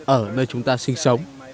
ở nơi chúng ta sinh sống